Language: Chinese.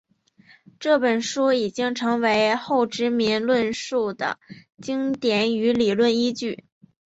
这本书已经成为后殖民论述的经典与理论依据。